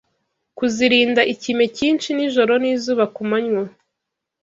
kuzirinda ikime cyinshi nijoro n’izuba ku manywa